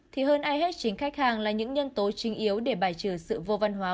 thì hơn ai hết chính khách hàng là những nhân tố trinh yếu để bài trừ sự vô văn hóa